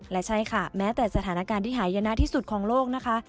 และใช่ค่ะแม้แต่สถานการณ์ที่หายนะที่สุดของโลกนะคะ